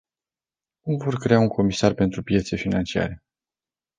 Cum vom crea un comisar pentru piețe financiare?